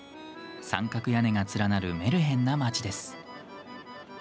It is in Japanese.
三角屋根が連なるメルヘンな街です。